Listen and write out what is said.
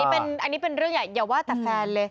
อันนี้เป็นเรื่องใหญ่อย่าว่าแต่แฟนเลย